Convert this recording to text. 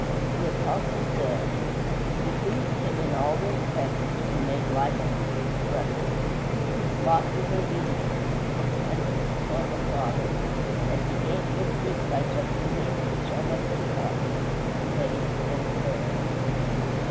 The Apostle says, "It behooved him in all respects to be made like unto his brethren." His lot was obedience dependence upon the Father and he gained victories by just the means which are left to us faith and prayer.